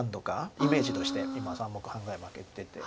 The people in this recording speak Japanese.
イメージとして今３目半ぐらい負けてて。